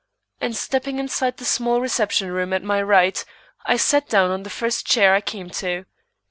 And stepping inside the small reception room at my right, I sat down on the first chair I came to.